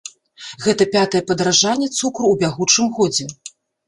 Гэта пятае падаражанне цукру ў бягучым годзе.